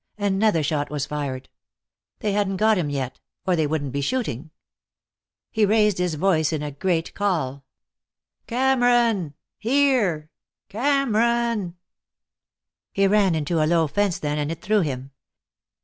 Another shot was fired. They hadn't got him yet, or they wouldn't be shooting. He raised his voice in a great call. "Cameron! Here! Cameron!" He ran into a low fence then, and it threw him.